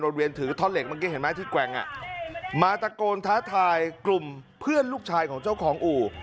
เรียนถือท่อนเหล็กเมื่อกี้เห็นไหมที่แกว่งอ่ะมาตะโกนท้าทายกลุ่มเพื่อนลูกชายของเจ้าของอู่